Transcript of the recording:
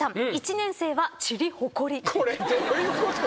これどういうこと？